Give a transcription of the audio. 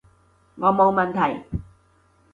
我冇問題